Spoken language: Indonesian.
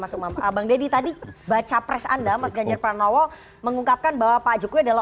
mas umam bang deddy tadi baca pres anda mas ganjar pranowo mengungkapkan bahwa pak jokowi adalah